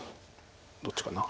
どっちかな。